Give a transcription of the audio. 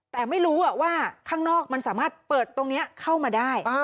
แต่ไม่รู้ว่าข้างนอกมันสามารถเปิดตรงนี้เข้ามาได้